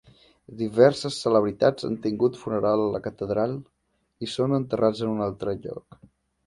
Diverses celebritats han tingut funeral a la catedral i són enterrats a un altre lloc.